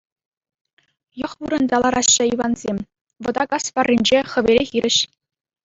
йӑх вырӑнта лараҫҫӗ Ивансем, Вӑта кас варринче, хӗвеле хирӗҫ.